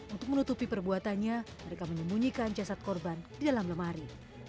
untuk menutupi perbuatannya mereka menyembunyikan jasad korban di dalam lemari